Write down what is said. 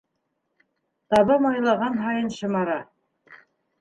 Таба майлаған һайын шымара.